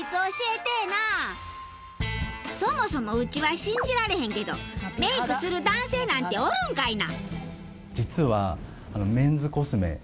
そもそもうちは信じられへんけどメイクする男性なんておるんかいな？